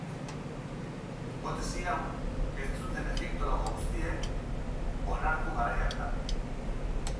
Hipotesi hau, ez zuten egiptologo guztiek onartu garai hartan.